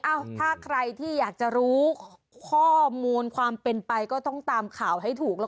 ถ้าใครที่อยากจะรู้ข้อมูลความเป็นไปก็ต้องตามข่าวให้ถูกแล้ว